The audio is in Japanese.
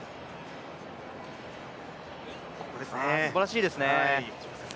すばらしいですね。